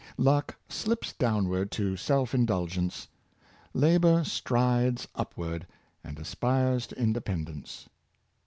Luck slips downward to self indulgence; Labor strides upward, and aspires to independence."